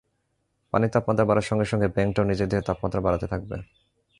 পানির তাপমাত্রা বাড়ার সঙ্গে সঙ্গে ব্যাঙটাও নিজের দেহের তাপমাত্রা বাড়াতে থাকবে।